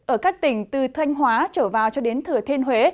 ở các tỉnh từ thanh hóa trở vào cho đến thừa thiên huế